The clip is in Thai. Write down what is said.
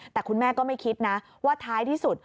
แต่คุณแม่ก็ไม่คิดนะว่าท้ายที่สุด